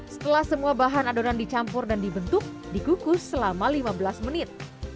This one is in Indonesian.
setelah semua bahan adonan dicampur dan dibentuk dikukus selama lima belas menit